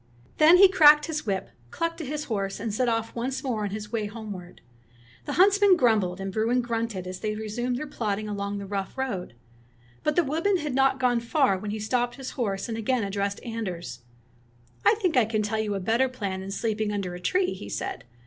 Then he cracked his whip, clucked to his horse, and set off once more on his way homeward. The huntsman grumbled, and Bruin grunted as they resumed their plod ding along the rough road. But the wood 17 Fairy Tale Bears man had not gone far when he stopped his horse and again addressed Anders. "I think I can tell you a better plan than sleeping under a tree," he said.